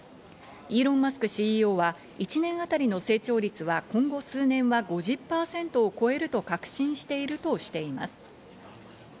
イーロン・マスクＣＥＯは１年あたりの成長率は今後数年は５０％を超えると確信しているとしています。